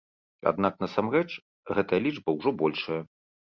Аднак насамрэч, гэтая лічба ўжо большая.